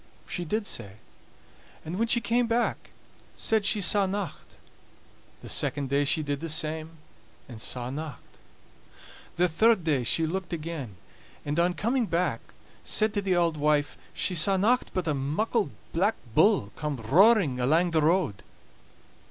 She did sae; and when she came back said she saw nocht. The second day she did the same, and saw nocht. The third day she looked again, and on coming back said to the auld wife she saw nocht but a muckle Black Bull coming roaring alang the road.